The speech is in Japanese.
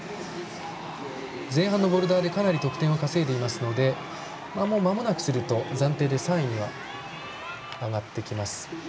前半のボルダーでかなり得点を重ねていますので間もなくすると暫定で３位には上がってきます。